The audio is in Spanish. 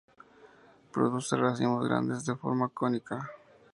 Produce racimos grandes de forma cónica.